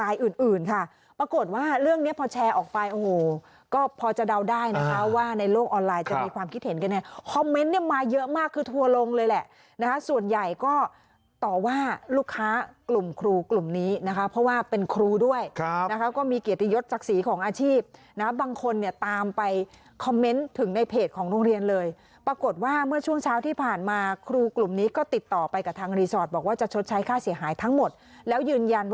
เยอะมากคือทัวร์ลงเลยแหละส่วนใหญ่ก็ต่อว่าลูกค้ากลุ่มครูกลุ่มนี้เพราะว่าเป็นครูด้วยก็มีเกียรติยศศักดิ์สีของอาชีพบางคนเนี่ยตามไปคอมเมนต์ถึงในเพจของโรงเรียนเลยปรากฏว่าเมื่อช่วงเช้าที่ผ่านมาครูกลุ่มนี้ก็ติดต่อไปกับทางรีสอร์ทบอกว่าจะชดใช้ค่าเสียหายทั้งหมดแล้วยืนยัน